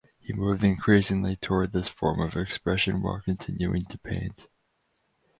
He moved increasingly toward this form of expression while continuing to paint.